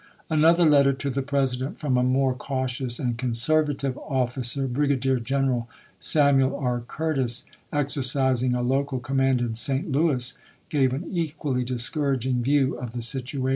Another letter to the President from a more cautions and conservative officer, Brigadier Gen eral Samuel R. Curtis, exercising a local command in St. Louis, gave an equally discouraging view of the situation : Ch. XXIV.